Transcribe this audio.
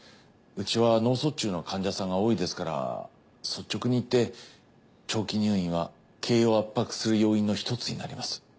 うちは脳卒中の患者さんが多いですから率直にいって長期入院は経営を圧迫する要因のひとつになります。